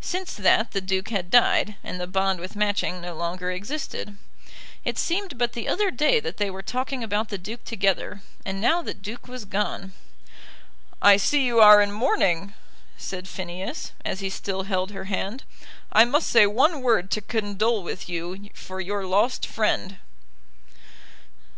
Since that the Duke had died, and the bond with Matching no longer existed. It seemed but the other day that they were talking about the Duke together, and now the Duke was gone. "I see you are in mourning," said Phineas, as he still held her hand. "I must say one word to condole with you for your lost friend."